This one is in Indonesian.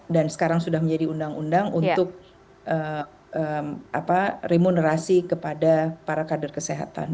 dan sekarang sudah menjadi undang undang untuk remunerasi kepada para kader kesehatan